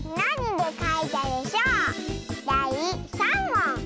だい３もん！